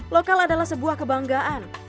lokal adalah sebuah kebanggaan